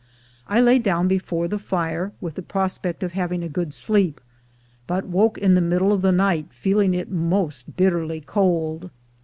I lay down before the fire, with the pros pect of having a good sleep, but woke in the middle of the night, feeling it most bitterly cold.